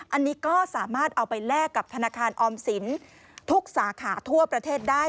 อันนี้ก็สามารถเอาไปแลกกับธนาคารออมสินทุกสาขาทั่วประเทศได้